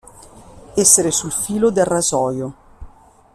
Essere sul filo del rasoio.